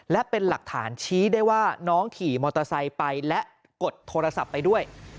และเป็นหลักฐานชี้ได้ว่าน้องขี่มอเตอร์ไซค์ไปและกดโทรศัพท์ไปด้วย